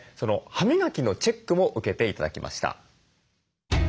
歯磨きのチェックも受けて頂きました。